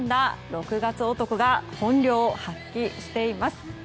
６月男が本領発揮しています。